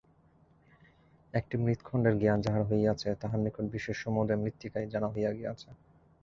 একটি মৃৎখণ্ডের জ্ঞান যাহার হইয়াছে, তাহার নিকট বিশ্বের সমুদয় মৃত্তিকাই জানা হইয়া গিয়াছে।